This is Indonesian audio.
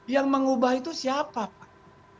yang mengubah itu siapa pak